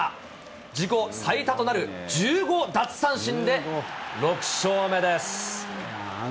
自己最多となる１５奪三振で、６勝目です。